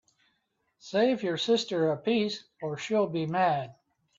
Save you sister a piece, or she will be mad.